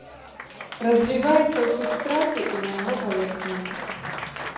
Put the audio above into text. Развіваецца ў субстраце і на яго паверхні.